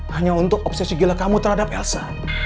hanya untuk obsesi gila kamu terhadap elsa